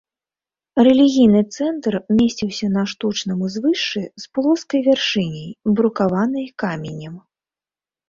Рэлігійны цэнтр месціўся на штучным узвышшы з плоскай вяршыняй, брукаванай каменем.